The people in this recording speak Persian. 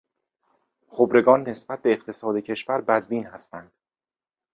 خبرگان نسبت به اقتصاد کشور بدبین هستند.